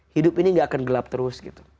hidup ini tidak akan gelap terus